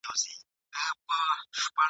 خلوتونه د احساس دي